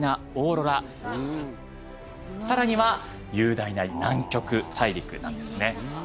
さらには雄大な南極大陸なんですね。